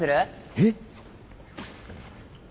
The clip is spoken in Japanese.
えっ！